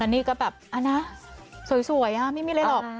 แล้วนี่ก็แบบอันนะสวยอ่ะไม่มีอะไรหรอก